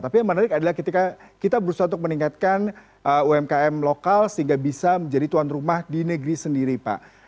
tapi yang menarik adalah ketika kita berusaha untuk meningkatkan umkm lokal sehingga bisa menjadi tuan rumah di negeri sendiri pak